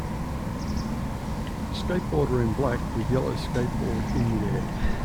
Skateboarder in black with yellow skateboard in midair.